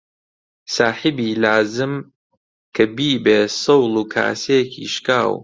ساحیبی لازم کە بیبێ سەوڵ و کاسێکی شکاو